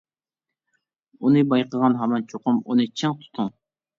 ئۇنى بايقىغان ھامان چوقۇم ئۇنى چىڭ تۇتۇڭ.